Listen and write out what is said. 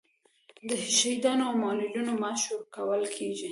د شهیدانو او معلولینو معاش ورکول کیږي؟